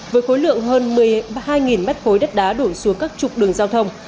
với khối lượng hơn một mươi hai m ba đất đá đổ xuống các trục đường giao thông